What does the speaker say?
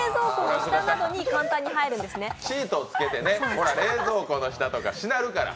しシートつけてね、ほら、冷蔵庫の下とか、しなるから。